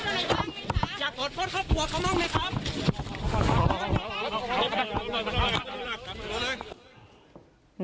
โชว์บ้านในพื้นที่เขารู้สึกยังไงกับเรื่องที่เกิดขึ้น